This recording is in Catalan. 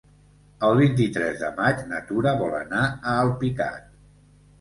El vint-i-tres de maig na Tura vol anar a Alpicat.